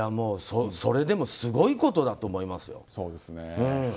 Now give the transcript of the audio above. それでもすごいことだと思いますよ。